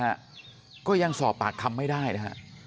จนมาถึงวันนี้นะฮะก็ยังสอบปากคำไม่ได้นะฮะ